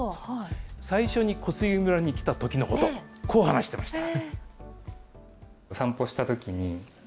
最初に小菅村に来たときのこと、こう話していました。